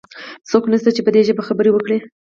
څوک نشته چې په دي ژبه خبرې وکړي؟